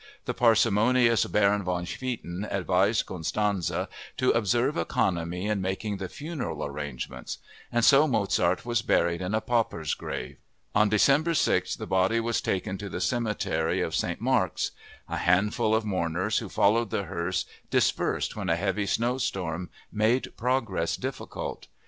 The parsimonious Baron van Swieten advised Constanze to observe economy in making the funeral arrangements; and so Mozart was buried in a pauper's grave. On December 6, the body was taken to the cemetery of St. Marx. A handful of mourners who followed the hearse dispersed when a heavy snowstorm made progress difficult.